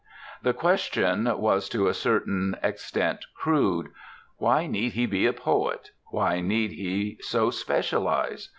The question was to a certain extent crude, "Why need he be a poet, why need he so specialise?"